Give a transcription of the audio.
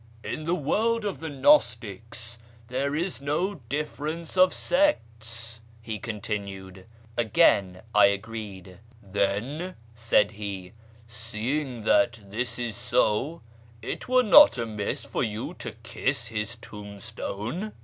" In the world of the gnostics there is no difference of sects," he continued. Again I agreed. " Then," said he, " seeing that this is so, it were not amiss for you to kiss his tomb stone."